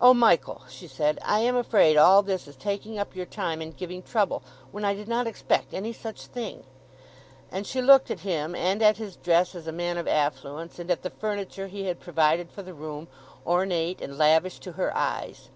"O Michael!" she said, "I am afraid all this is taking up your time and giving trouble—when I did not expect any such thing!" And she looked at him and at his dress as a man of affluence, and at the furniture he had provided for the room—ornate and lavish to her eyes.